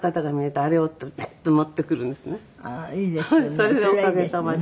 それでおかげさまで。